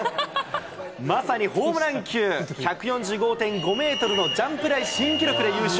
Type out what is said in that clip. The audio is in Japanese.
まさにホームラン級、１４５．５メートルのジャンプ台新記録で優勝。